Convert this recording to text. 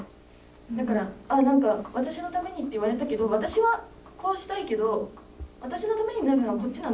だから「ああ何か『私のために』って言われたけど私はこうしたいけど私のためになるのはこっちなの？